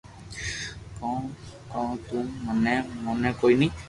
ڪون ڪو تو تو موني ڪوئي ني